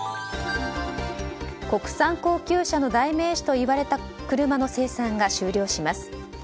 国産高級車の代名詞といわれた車の生産が終了します。